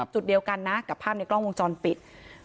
จุดเดียวกันนะกับภาพในกล้องวงจรปิด